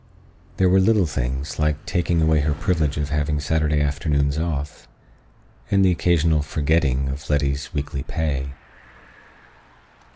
There were little things, like taking away her privilege of having Saturday afternoons off. And the occasional "forgetting" of Letty's weekly pay.